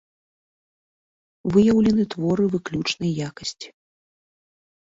Выяўлены творы выключнай якасці.